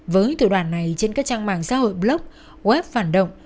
với tiểu đoàn này trên các trang mạng xã hội blog web phản động